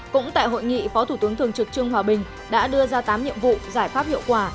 cũng tại hội nghị phó thủ tướng thường trực trương hòa bình đã đưa ra tám nhiệm vụ giải pháp hiệu quả